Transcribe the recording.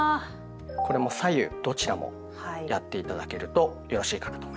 これも左右どちらもやって頂けるとよろしいかなと思います。